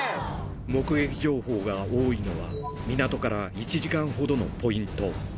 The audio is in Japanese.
目撃情報が多いのは、港から１時間ほどのポイント。